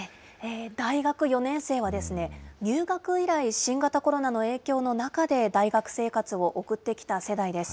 大学４年生はですね、入学以来、新型コロナの影響の中で大学生活を送ってきた世代です。